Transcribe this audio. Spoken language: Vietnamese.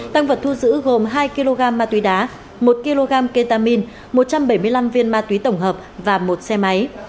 tăng vật thu giữ gồm hai kg ma túy đá một kg ketamin một trăm bảy mươi năm viên ma túy tổng hợp và một xe máy